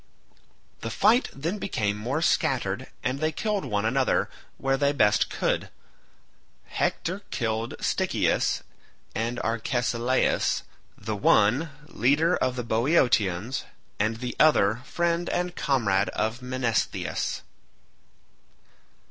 The fight then became more scattered and they killed one another where they best could. Hector killed Stichius and Arcesilaus, the one, leader of the Boeotians, and the other, friend and comrade of Menestheus.